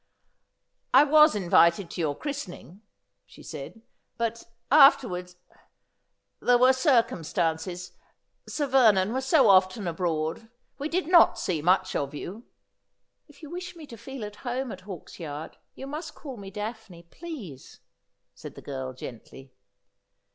' I was invited to your christening,' she said ;' but — after wards — there were circumstances — Sir Vernon was so often abroad. We did not see much of you.' ' If you wish me to feel at home at Hawksyard you must call me Daphne, please,' said the girl gently.